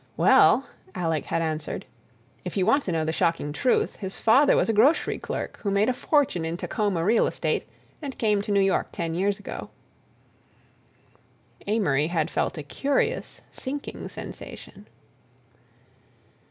"Well," Alec had answered, "if you want to know the shocking truth, his father was a grocery clerk who made a fortune in Tacoma real estate and came to New York ten years ago." Amory had felt a curious sinking sensation.